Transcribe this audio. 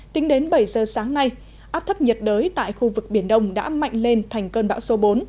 tính đến bảy giờ sáng nay áp thấp nhiệt đới tại khu vực biển đông đã mạnh lên thành cơn bão số bốn